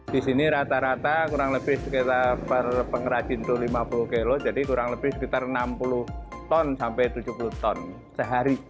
di sini rata rata kurang lebih sekitar per pengrajin itu lima puluh kilo jadi kurang lebih sekitar enam puluh ton sampai tujuh puluh ton sehari